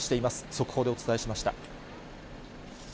速報でお伝えしました。